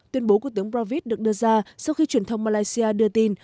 tuyên bố của tướng pravit được đưa ra sau khi truyền thông malaysia đưa tin